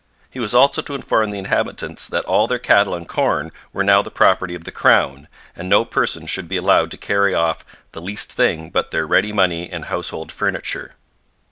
He was also to inform the inhabitants that all their cattle and corn were now the property of the crown, and no person should be allowed to carry off 'the least thing but their ready money and household furniture.'